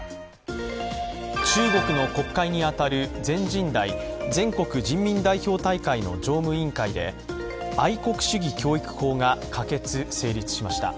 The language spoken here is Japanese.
中国の国会に当たる全人代＝全国人民代表大会の常務委員会で愛国主義教育法が可決・成立しました。